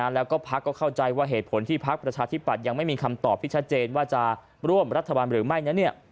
แล้วก็พักก็เข้าใจว่าเหตุผลที่พักประชาธิปัตย์ยังไม่มีคำตอบที่ชัดเจนว่าจะร่วมรัฐบาลหรือไม่นั้น